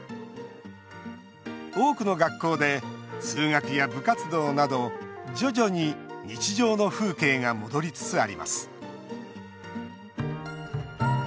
多くの学校で通学や部活動など徐々に日常の風景が戻りつつあります。